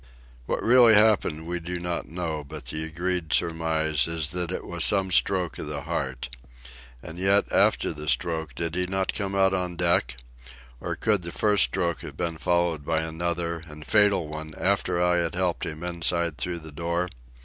What really happened we do not know, but the agreed surmise is that it was some stroke of the heart. And yet, after the stroke, did he not come out on deck? Or could the first stroke have been followed by another and fatal one after I had helped him inside through the door?